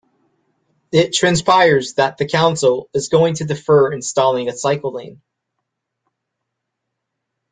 It transpires that the council is going to defer installing a cycle lane.